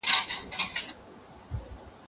ښکنځل د کم اصله انسان کار دی.